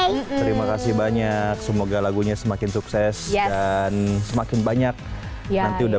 monicaergrih makasih banyak semoga lagunya semakin sukses dan semakin banyak yang tidak